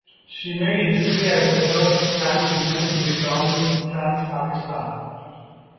She made history as the first trans woman to be crowned Miss Trans Pakistan.